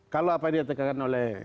kalau apa yang dikatakan oleh